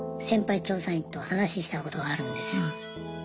先輩調査員と話したことあるんです。